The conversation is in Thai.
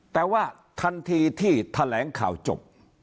แต่ว่าทันทีที่แถลงข่าวจบ